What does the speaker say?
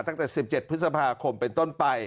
ตั้งแต่๑๗พฤษภาคมเป็นต้นไป